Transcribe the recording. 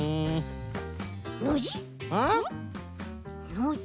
ノジ？